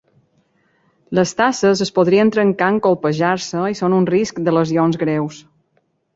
Les tasses es podrien trencar en colpejar-se i són un risc de lesions greus.